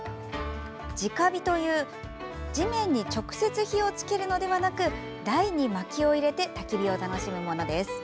直火という地面に直接火をつけるのではなく台にまきを入れてたき火を楽しむものです。